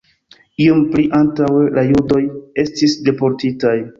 Iom pli antaŭe la judoj estis deportitaj.